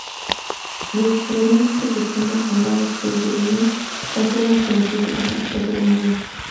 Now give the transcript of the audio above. Los afloramientos que circundan al lago Pellegrini conservan las características típicas de la unidad.